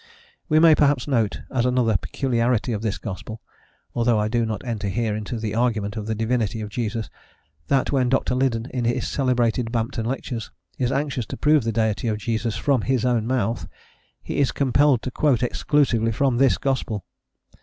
We may, perhaps, note, as another peculiarity of this gospel although I do not enter here into the argument of the divinity of Jesus, that when Dr. Liddon, in his celebrated Bampton Lectures, is anxious to prove the Deity of Jesus from his own mouth, he is compelled to quote exclusively from this gospel.